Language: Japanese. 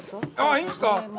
いいんですか？